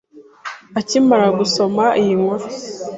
Akimara gusoma iyi nkuru